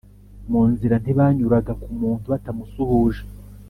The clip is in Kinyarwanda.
Mu nzira, ntibanyuraga ku muntu batamusuhuje.